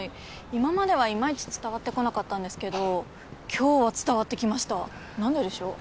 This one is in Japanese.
今まではいまいち伝わってこなかったんですけど今日は伝わってきました何ででしょう？